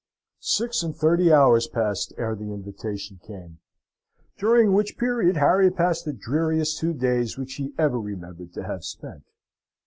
Six and thirty hours passed ere the invitation came, during which period Harry passed the dreariest two days which he ever remembered to have spent.